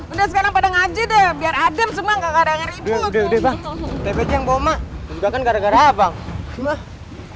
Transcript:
udah sekarang pada ngaji deh biar adem semua kagak ada yang ribut